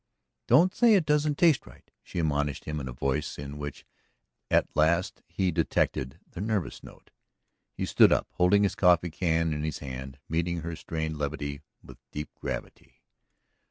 "Don't say it doesn't taste right!" she admonished him in a voice in which at last he detected the nervous note. He stood up, holding his coffee can in his hand, meeting her strained levity with a deep gravity.